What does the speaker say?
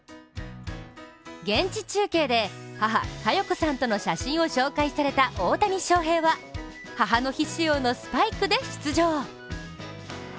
現地中継で母・加代子さんとの写真を紹介された大谷翔平は、母の日仕様のスパイクで出場。